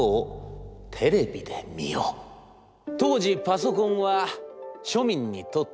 「当時パソコンは庶民にとっては高根の花。